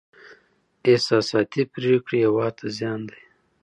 احساساتي پرېکړې هېواد ته زیان دی.